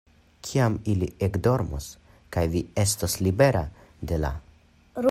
Kiam ili ekdormos kaj vi estos libera de la.